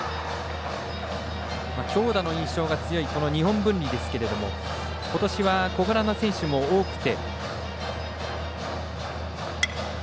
強打の印象が強い日本文理ですけどことしは、小柄な選手も多くて。